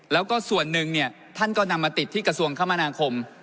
แล้วก็ส่วนหนึ่งเนี่ยท่านก็นำมาติดที่กระทรวงคมนาคม